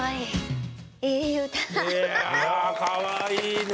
いやかわいいね。